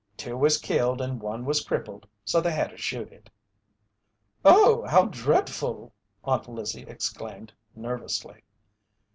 Two was killed and one was crippled so they had to shoot it." "Oh, how dread ful!" Aunt Lizzie exclaimed, nervously.